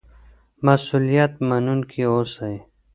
مسؤلیت منونکي اوسئ.